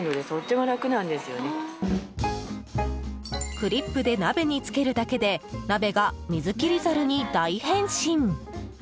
クリップで鍋につけるだけで鍋が水切りザルに大変身！